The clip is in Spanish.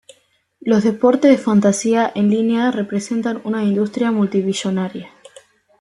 Los deportes de fantasía en línea representan una industria multi-billonaria.